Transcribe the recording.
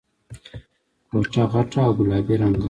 کوټه غټه او گلابي رنګه وه.